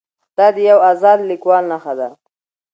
دا د یو ازاد لیکوال نښه ده.